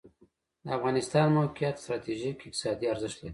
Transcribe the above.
د افغانستان موقعیت ستراتیژیک اقتصادي ارزښت لري